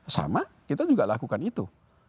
sama kita juga lakukan itu